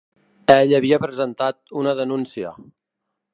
Ell havia presentat una denúncia.